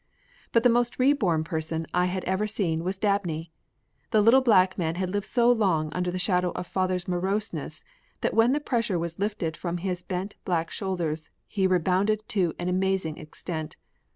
But the most reborn person I had ever seen was Dabney. The little black man had lived so long under the shadow of father's moroseness that when the pressure was lifted from his bent black shoulders he rebounded to an amazing extent.